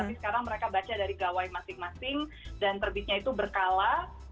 tapi sekarang mereka baca dari gawai masing masing dan terbitnya itu berkala